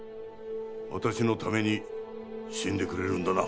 私のために死んでくれるんだな？